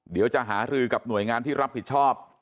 เดี๋ยวจะหารือกับหน่วยงานที่รับผิดชอบ